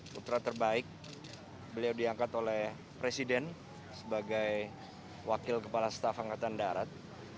putra terbaik beliau diangkat oleh presiden sebagai wakil kepala staf angkatan darat